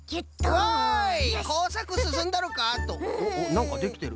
なんかできてる。